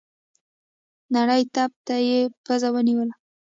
نري تپ ته يې پزه ونيوله.